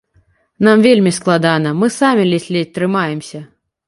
Нам вельмі складана, мы самі ледзь-ледзь трымаемся.